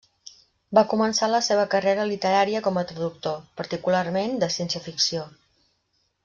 Va començar la seva carrera literària com a traductor, particularment de ciència-ficció.